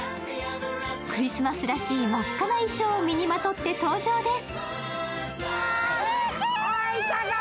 クリスマスらしい真っ赤な衣装をまとって登場です。